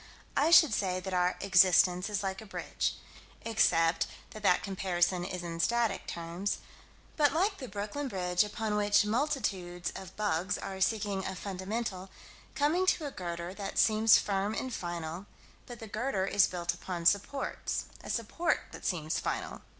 I should say that our "existence" is like a bridge except that that comparison is in static terms but like the Brooklyn Bridge, upon which multitudes of bugs are seeking a fundamental coming to a girder that seems firm and final but the girder is built upon supports. A support then seems final.